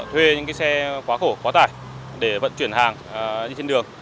thuê những xe quá khổ quá tải để vận chuyển hàng đi trên đường